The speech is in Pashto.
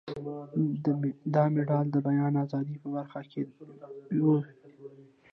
دا مډال د بیان ازادۍ په برخه کې و.